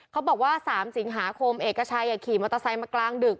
เขาบอกว่า๓สิงหาคมเอกชัยขี่มอเตอร์ไซค์มากลางดึก